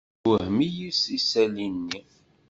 Yessewhem-iyi isali-nni.